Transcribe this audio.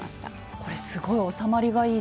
これすごい収まりがいいです。